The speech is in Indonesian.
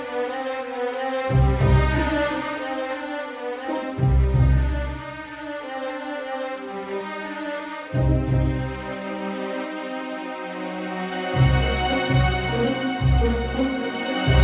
kau tak bisa